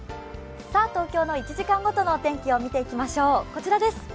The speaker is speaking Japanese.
東京の１時間ごとのお天気を見ていきましょう、こちらです。